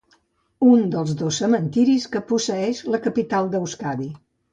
Un dels dos cementiris que posseeix la capital d'Euskadi.